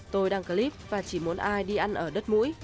tôi đăng clip và chỉ muốn ai đi ăn ở đất mũi